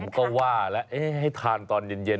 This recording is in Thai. ก็ว่าแล้วให้ทานตอนเย็น